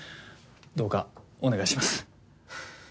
どうかお願いします。